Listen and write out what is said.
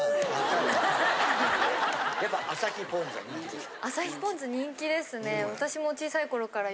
やっぱ旭ポンズは人気ですか？